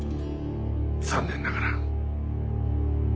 残念ながら。